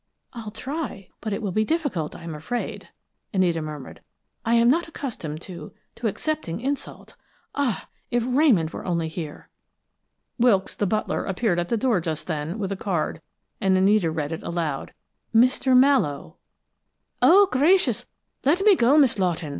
"I'll try, but it will be difficult, I am afraid," Anita murmured. "I am not accustomed to to accepting insults. Ah! if Ramon were only here!" Wilkes, the butler, appeared at the door just then, with a card, and Anita read it aloud. "Mr. Mallowe." "Oh, gracious, let me go, Miss Lawton!"